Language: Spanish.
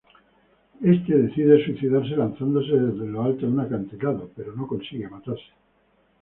Este decide suicidarse lanzándose desde lo alto de un acantilado, pero no consigue matarse.